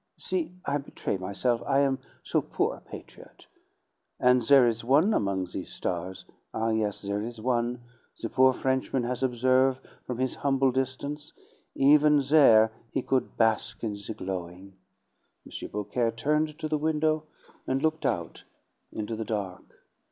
See, I betray myself, I am so poor a patriot. And there is one among these stars ah, yes, there is one the poor Frenchman has observe' from his humble distance; even there he could bask in the glowing!" M. Beaucaire turned to the window, and looked out into the dark.